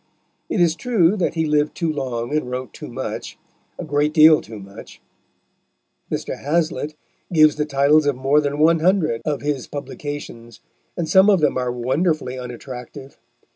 It is true that he lived too long and wrote too much a great deal too much. Mr. Hazlitt gives the titles of more than one hundred of his publications, and some of them are wonderfully unattractive.